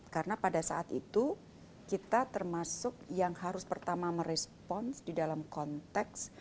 karena pada saat itu kita termasuk yang harus pertama merespons di dalam konteks